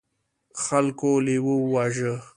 خلکو لیوه وواژه.